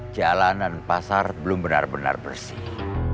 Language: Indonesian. jalan dan pasar belum benar benar bersih